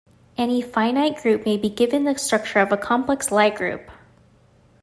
Any finite group may be given the structure of a complex Lie group.